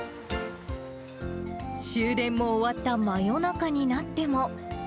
終電も終わった真夜中になっても。